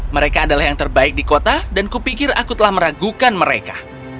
mereka adalah yang terbaik di kota dan kupikir aku telah meragukan mereka